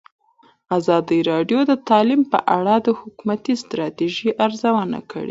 ازادي راډیو د تعلیم په اړه د حکومتي ستراتیژۍ ارزونه کړې.